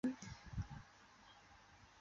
长子廖嘉言自幼习大提琴。